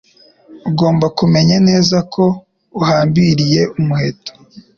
Ugomba kumenya neza ko uhambiriye umuheto.